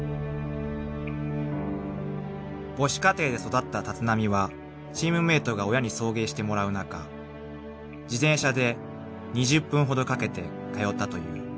［母子家庭で育った立浪はチームメートが親に送迎してもらう中自転車で２０分ほどかけて通ったという］